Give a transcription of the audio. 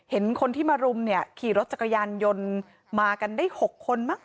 เห็นคนที่มารุมเนี่ยขี่รถจักรยานยนต์มากันได้๖คนมั้ง